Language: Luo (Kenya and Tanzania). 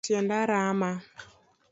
Tienda rama